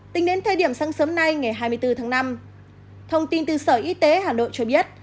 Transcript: tính đến thời điểm sáng sớm nay ngày hai mươi bốn tháng năm thông tin từ sở y tế hà nội cho biết